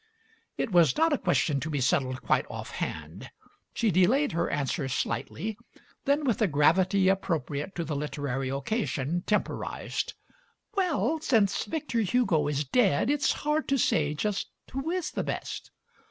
It was not a question to be settled quite offhand; she delayed her answer slightly, then, with a gravity appropriate to the literary occasion, temporized: "Well, since Victor Hugo is dead* it's hard to say just who is the best."